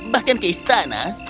bahkan ke istana